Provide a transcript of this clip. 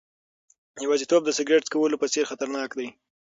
یوازیتوب د سیګریټ څکولو په څېر خطرناک دی.